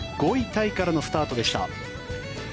タイからのスタートでした。